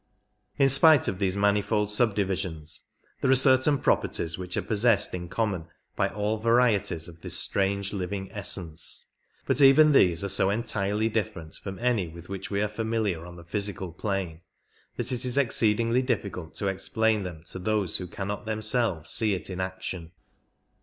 In spite of these manifold subdivisions, there are certain properties which are possessed in common by all varieties of this strange living essence ; but even these are so entirely different from any with which we are familiar on the physi cal plane that it is exceedingly difficult to explain them to those who cannot themselves see it in action.